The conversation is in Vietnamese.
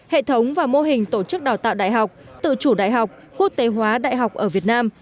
hệ thống và mô hình tổ chức đào tạo đại học tự chủ đại học quốc tế hóa đại học ở việt nam